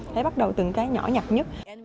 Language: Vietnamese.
phải bắt đầu từng cái nhỏ nhặt nhất